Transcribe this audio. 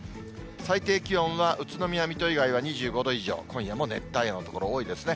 最低気温は宇都宮、水戸以外は２５度以上、今夜も熱帯夜の所が多いですね。